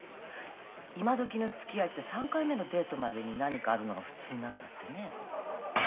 今どきのつきあいって３回目のデートまでに何かあるのが普通なんだってね。